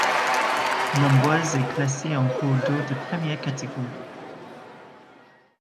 L'Amboise est classée en cours d'eau de première catégorie.